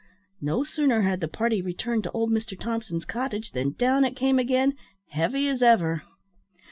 No sooner had the party returned to old Mr Thompson's cottage, than down it came again, heavy as ever.